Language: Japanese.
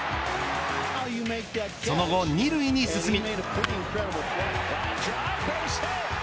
その後２塁に進み。